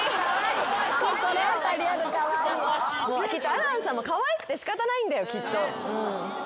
亜嵐さんもかわいくて仕方ないんだよきっと。